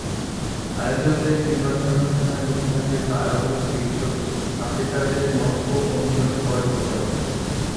আয়োজক দেশ নির্বাচনী অনুষ্ঠানে দক্ষিণ আফ্রিকা আয়োজক হতে ইচ্ছুক, আফ্রিকার দেশ মরোক্কো ও মিশরকে পরাজিত করে।